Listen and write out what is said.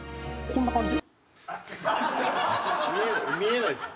こんな感じ。